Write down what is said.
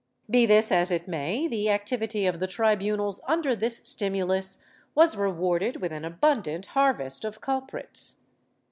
Be this as it may, the activity of the tribunals under this stimulus was rewarded with an abundant harvest of culprits.